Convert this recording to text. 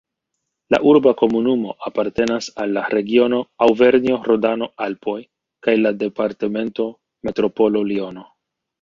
La urba komunumo apartenas al la regiono Aŭvernjo-Rodano-Alpoj kaj la departemento Metropolo Liono.